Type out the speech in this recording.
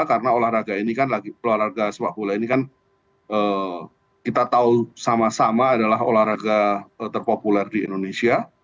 karena olahraga ini kan olahraga sepak bola ini kan kita tahu sama sama adalah olahraga terpopuler di indonesia